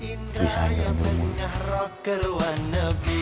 si indra yang penyah roker wannabe